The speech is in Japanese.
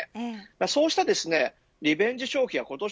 そうしたリベンジ消費やコト